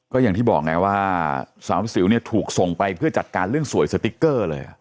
ก็อย่างที่บอกไงว่าสาวสิวเนี่ยถูกส่งไปเพื่อจัดการเรื่องสวยสติ๊กเกอร์เลย